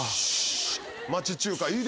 町中華いいですね。